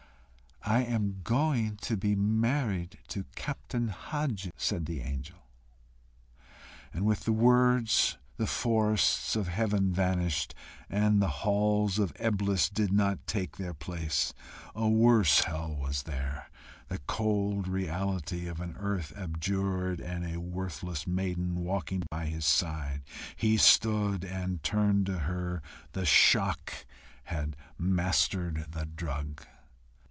"I am going to be married to Captain Hodges," said the angel. And with the word, the forests of heaven vanished, and the halls of Eblis did not take their place: a worse hell was there the cold reality of an earth abjured, and a worthless maiden walking by his side. He stood and turned to her. The shock had mastered the drug.